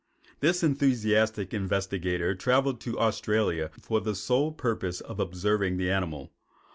This enthusiastic investigator traveled to Australia for the sole purpose of observing the animal.